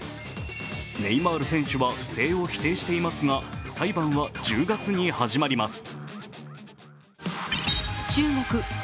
ネイマール選手は不正を否定していますが、裁判は１０月に始まります。